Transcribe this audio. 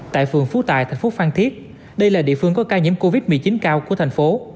tại phường phú tài thành phố phan thiết đây là địa phương có ca nhiễm covid một mươi chín cao của thành phố